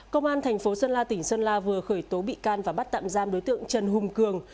công an thành phố sơn la tỉnh sơn la vừa khởi tố bị can và bắt tạm giam đối tượng trần hùng cường